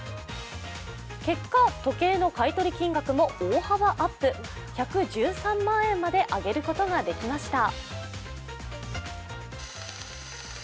結果、時計の買い取り金額も大幅アップ、１１３万円まで上げることができました。